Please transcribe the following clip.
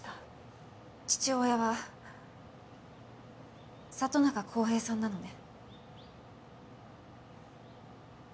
父親は里中浩平さんなのね？